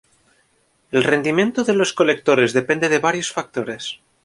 El rendimiento de los colectores depende de varios factores.